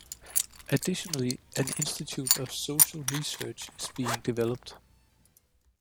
Additionally, an Institute of Social Research is being developed.